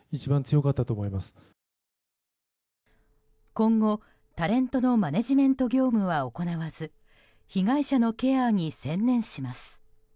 今後、タレントのマネジメント業務は行わず被害者のケアに専念します。